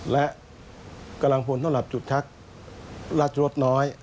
และกำลังพลที่จะฉุดชักราชรสน้อย